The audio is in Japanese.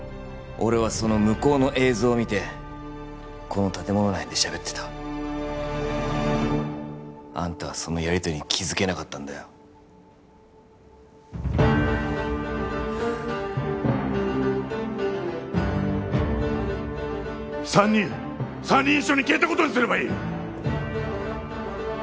俺はその向こうの映像を見てこの建物内でしゃべってたあんたはそのやりとりに気づけなかったんだよ三人三人一緒に消えたことにすればいい！